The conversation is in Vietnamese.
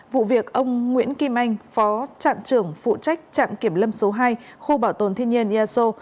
vụ việc ông nguyễn kim anh phó trạm trưởng phụ trách trạm kiểm lâm số hai khu bảo tồn thiên nhiên eso